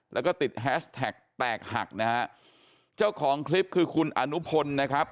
แล้วก็ติดแฮชแท็กแตกหักนะฮะเจ้าของคลิปคือคุณอนุพลนะครับ